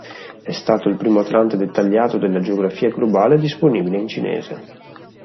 È stato il primo atlante dettagliato della geografia globale disponibile in cinese.